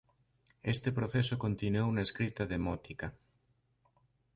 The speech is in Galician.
Este proceso continuou na escrita demótica.